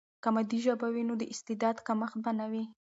که مادي ژبه وي، نو د استعداد کمښت به نه وي.